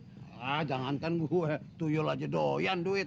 hai ah jangankan gue tuyul aja doyan duit